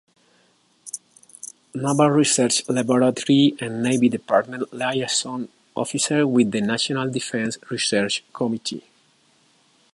Naval Research Laboratory and Navy Department Liaison Officer with the National Defense Research Committee.